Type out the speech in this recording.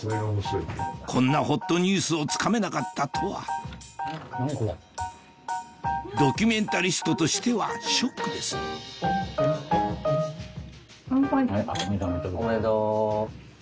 こんなホットニュースをつかめなかったとはドキュメンタリストとしてはショックです乾杯。